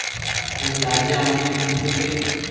پسي راجا اي اوني ڪآدو ڪي